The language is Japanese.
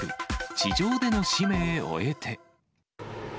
地上での使命終えて。